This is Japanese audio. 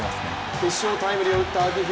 決勝タイムリーを打った秋広。